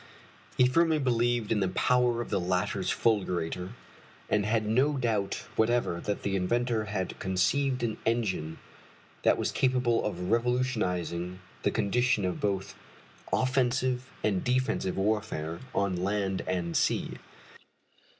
He firmly believed in the power of the latter's fulgurator, and had no doubt whatever that the inventor had conceived an engine that was capable of revolutionizing the condition of both offensive and defensive warfare on land and sea.